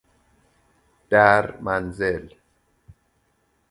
در منزل